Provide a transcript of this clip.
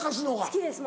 好きです